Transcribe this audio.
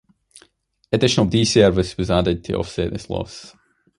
Additional D service was added to offset this loss.